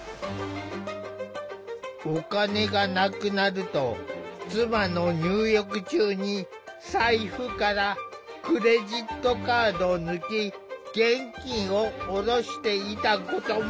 お金がなくなると妻の入浴中に財布からクレジットカードを抜き現金を下ろしていたことも。